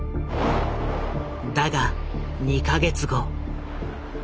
だが２か月後。